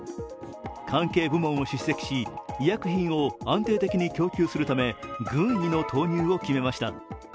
関係部門を叱責し医薬品を安定的に供給するため軍医の投入を決めました。